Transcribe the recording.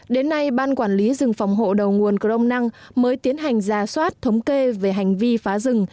đến nay ban quản lý rừng phòng hộ đầu nguồn crom năng mới tiến hành ra soát thống kê về hành vi phá rừng